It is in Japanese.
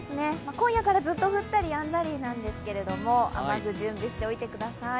今夜からずっと降ったりやんだりなんですけれども、雨具、準備しておいてください